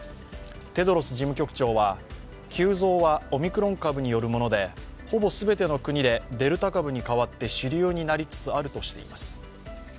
テドロス事務局長は、急増はオミクロン株によるものでほぼ全ての国でデルタ株に代わって主流になりつつあるとしています。